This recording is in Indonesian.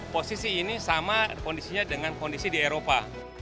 posisi ini sama kondisinya dengan kondisi di eropa